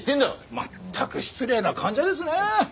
まったく失礼な患者ですねえ！